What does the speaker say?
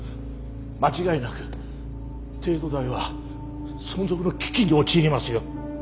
間違いなく帝都大は存続の危機に陥りますよ！